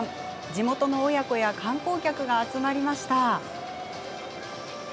地元の親子や観光客が集まりました。